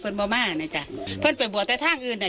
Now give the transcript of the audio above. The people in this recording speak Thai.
และทำบริษัทเขาแบบ